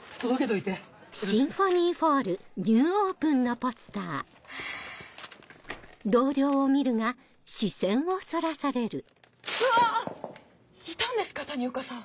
いたんですか谷岡さん。